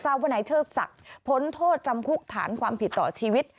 สาววันไหนเชิดสักพ้นโทษจำคลุกฐานความผิดต่อชีวิต